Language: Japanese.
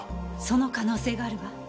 その可能性があるわ。